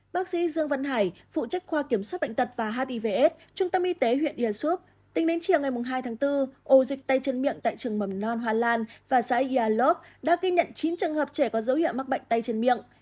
bác sĩ dương văn hải phụ trách khoa kiểm soát bệnh tật và hivs trung tâm y tế huyện ia súp tính đến chiều ngày hai tháng bốn ổ dịch tay chân miệng tại trường mầm non hoa lan và xã yalov đã ghi nhận chín trường hợp trẻ có dấu hiệu mắc bệnh tay chân miệng